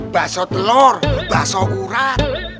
bakso telur bakso urat